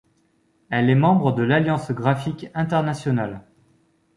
Elle est membre de l’Alliance graphique internationale.